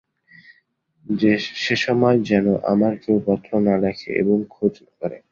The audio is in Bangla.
সে সময় যেন আমায় কেউ পত্র না লেখে এবং খোঁজ না করে।